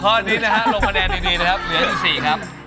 ข้อนี้ลงแปดเร่นดีเหลือ๑ครับ